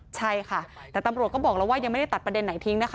ใช่ค่ะแต่ตำรวจก็บอกแล้วว่ายังไม่ได้ตัดประเด็นไหนทิ้งนะคะ